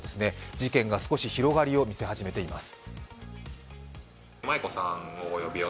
事件が少し広がりを見せ始めています。